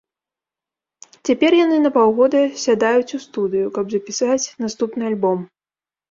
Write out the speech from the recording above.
Цяпер яны на паўгода сядаюць у студыю, каб запісаць наступны альбом.